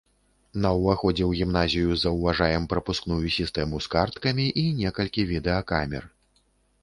На ўваходзе ў гімназію заўважаем прапускную сістэму з карткамі і некалькі відэакамер.